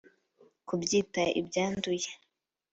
kubyita ibyanduye